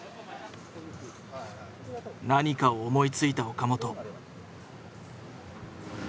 何かを思いついた岡本。